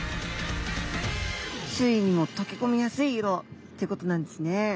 周囲にも溶け込みやすい色ってことなんですね。